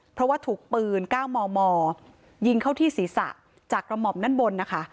เพราะว่าถูกปืน๙มมยิงเข้าที่ศีรษะจากกระหม่อมด้านบนนะคะ